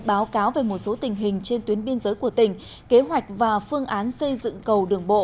báo cáo về một số tình hình trên tuyến biên giới của tỉnh kế hoạch và phương án xây dựng cầu đường bộ